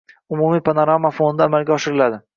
umumiy panorama fonida amalga oshiriladi.